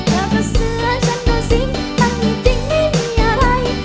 เธอก็เสื้อฉันโดนสิ่งแต่มีจริงไม่มีอะไร